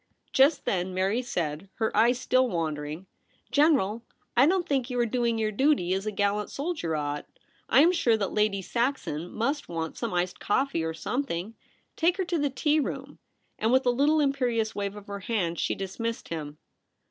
Just then Mary said, her eyes still wander ing, ' General, I don't think you are doing your duty as a gallant soldier ought. I am sure that Lady Saxon must want some iced coffee or somethino^. Take her to the tea room,' and w^ith a little imperious wave of her hand she dismissed him.